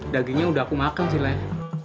dagingnya udah aku makan sih leh